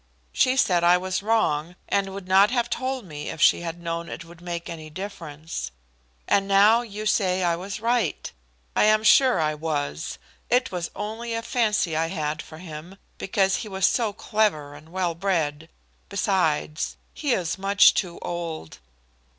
She said I was wrong, and would not have told me if she had known it would make any difference. And now you say I was right. I am sure I was; it was only a fancy I had for him, because he was so clever and well bred. Besides, he is much too old."